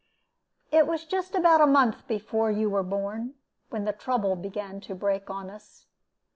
It was just about a month before you were born, when the trouble began to break on us.